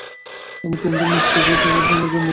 আমি ট্রেনটা মিস করব তোমাকে বিদায় জানানোর জন্য।